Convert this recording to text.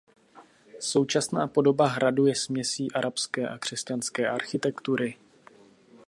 Současná podoba hradu je směsí arabské a křesťanské architektury.